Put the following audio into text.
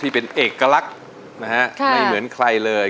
ที่เป็นเอกลักษณ์นะฮะไม่เหมือนใครเลย